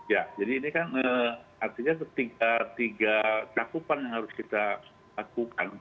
ya jadi ini kan artinya tiga cakupan yang harus kita lakukan